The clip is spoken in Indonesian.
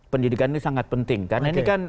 pendidikan ini sangat penting karena ini kan